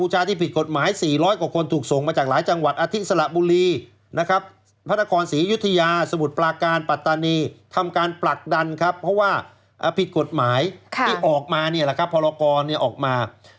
จากนั้นที่ออกมาเนี่ยละครับพลกรออกมา